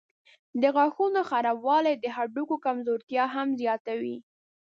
د غاښونو خرابوالی د هډوکو کمزورتیا هم زیاتوي.